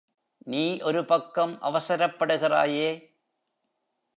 நீ ஒரு பக்கம் அவசரப்படுகிறாயே!